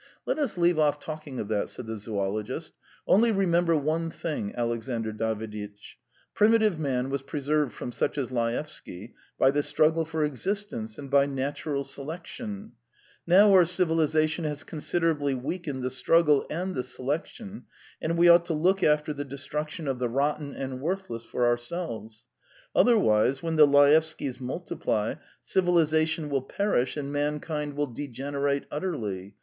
"Let us leave off talking of that," said the zoologist. "Only remember one thing, Alexandr Daviditch: primitive man was preserved from such as Laevsky by the struggle for existence and by natural selection; now our civilisation has considerably weakened the struggle and the selection, and we ought to look after the destruction of the rotten and worthless for ourselves; otherwise, when the Laevskys multiply, civilisation will perish and mankind will degenerate utterly.